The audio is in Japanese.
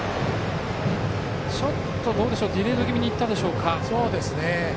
ちょっと、ディレード気味に行ったでしょうか。